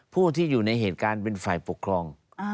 ผู้ที่อยู่ในเหตุการณ์เป็นฝ่ายปกครอง